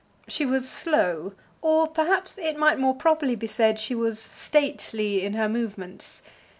She was slow, or perhaps it might more properly be said she was stately in her movements.